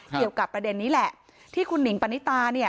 เกี่ยวกับประเด็นนี้แหละที่คุณหนิงปณิตาเนี่ย